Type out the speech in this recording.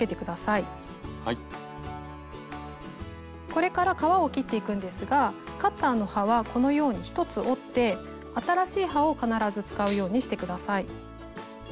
これから革を切っていくんですがカッターの刃はこのように１つ折って新しい刃を必ず使うようにして下さい。